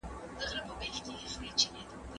زه اوږده وخت باغ ته ځم!.